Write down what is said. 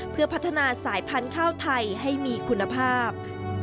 เพื่อพัฒนาสายพันธุ์ข้าวไทยให้มีคุณภาพ